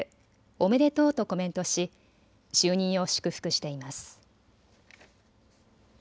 おめでとうとコメントし就任を祝福しています。